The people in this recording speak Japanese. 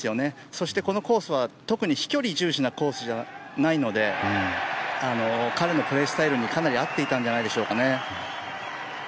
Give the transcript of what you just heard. そして、このコースは特に飛距離重視のコースじゃないので彼のプレースタイルにかなり合っていたんじゃないでしょうかね。